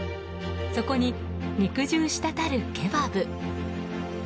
そこに肉汁したたるケバブ。